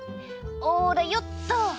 おらよっと！